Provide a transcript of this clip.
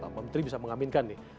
pak menteri bisa mengaminkan nih